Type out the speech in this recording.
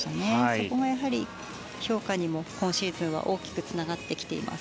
そこが評価にも今シーズンは大きくつながってきています。